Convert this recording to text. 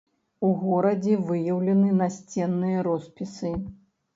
У горадзе выяўлены насценныя роспісы.